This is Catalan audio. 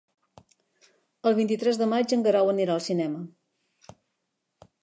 El vint-i-tres de maig en Guerau anirà al cinema.